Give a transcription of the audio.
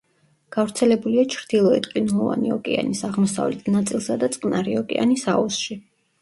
გავრცელებულია ჩრდილოეთ ყინულოვანი ოკეანის აღმოსავლეთ ნაწილსა და წყნარი ოკეანის აუზში.